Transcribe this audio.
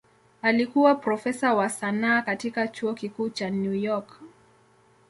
Alikuwa profesa wa sanaa katika Chuo Kikuu cha New York.